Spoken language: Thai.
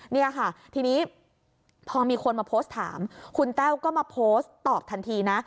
นี่ค่ะทีนี้พอมีคนมาโพสต์ถามคุณแต้วก็มาโพสต์ตอบทันทีนะ